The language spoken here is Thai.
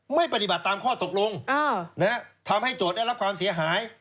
ไม่ปฏิบัติตามข้อตกลงทำให้โจทย์ได้รับความเสียหาย